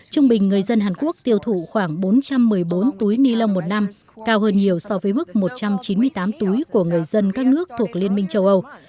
trung bình người dân hàn quốc tiêu thụ khoảng bốn trăm một mươi bốn túi ni lông một năm cao hơn nhiều so với mức một trăm chín mươi tám túi của người dân các nước thuộc liên minh châu âu